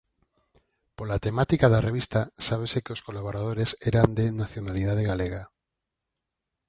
Pola temática da revista sábese que os colaboradores eran de nacionalidade galega.